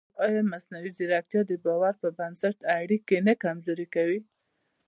ایا مصنوعي ځیرکتیا د باور پر بنسټ اړیکې نه کمزورې کوي؟